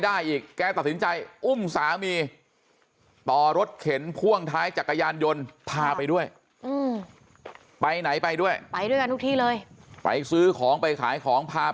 ได้อีกแกตัดสินใจอุ้มสามารถเข็นพ